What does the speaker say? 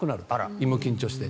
胃も緊張して。